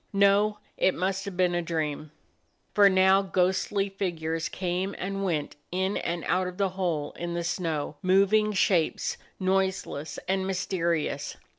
No, it must have been a dream. For now ghostly figures came and went in and out of the hole in the snow; moving shapes, noise less and mysterious.